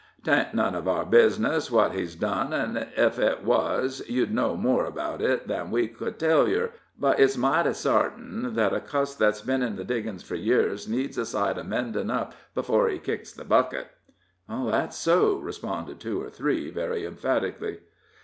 'Tain't none of our bizness what he's done, an' ef it wuz, you'd know more about it than we cud tell yer; but it's mighty sartin that a cuss that's been in the digging fur years needs a sight of mendin' up before he kicks the bucket." "That's so," responded two or three, very emphatically.